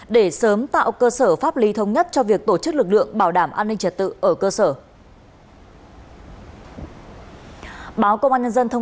để sớm tạo cơ sở pháp lý thống nhất cho việc tổ chức lực lượng bảo đảm an ninh trật tự ở cơ sở